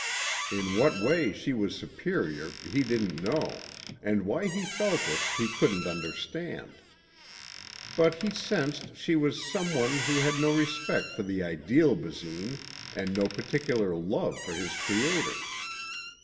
In what way she was superior he didn't know and why he felt it he couldn't understand. But he sensed she was someone who had no respect for the ideal Basine and no particular love for his creator.